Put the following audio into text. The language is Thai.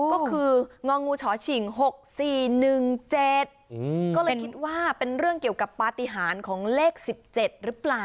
ก็คือก็เลยคิดว่าเป็นเรื่องเกี่ยวกับปฏิหารของเลข๑๗รึเปล่า